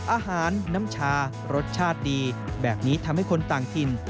อาหารน้ำชารสชาติดีแบบนี้ทำให้คนต่างถิ่น